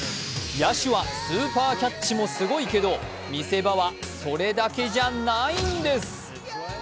野手はスーパーキャッチもすごいけど見せ場はそれだけじゃないんです。